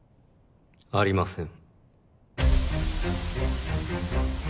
ありません。